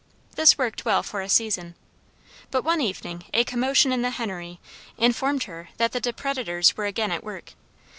This worked well for a season. But one evening a commotion in the hennery informed her that the depredators were again at work.